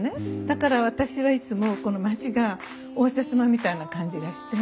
だから私はいつもこの町が応接間みたいな感じがして。